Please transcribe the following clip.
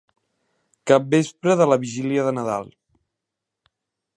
Capvespre de la vigília de Nadal.